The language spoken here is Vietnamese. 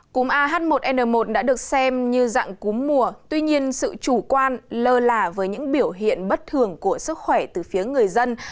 cúm ah một n một đã được xem như dạng cúm mùa tuy nhiên sự chủ quan lơ là với những biểu hiện bất thường của sức khỏe từ phía người dân